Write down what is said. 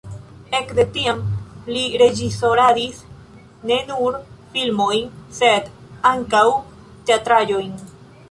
Ekde tiam li reĝisoradis ne nur filmojn, sed ankaŭ teatraĵojn.